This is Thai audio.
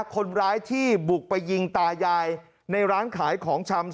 คนร้ายที่บุกไปยิงตายายในร้านขายของชำ